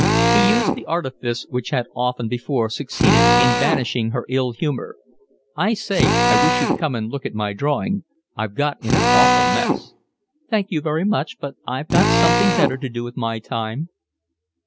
He used the artifice which had often before succeeded in banishing her ill humour. "I say, I wish you'd come and look at my drawing. I've got in an awful mess." "Thank you very much, but I've got something better to do with my time."